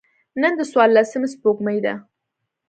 نن د څوارلسمي سپوږمۍ ده.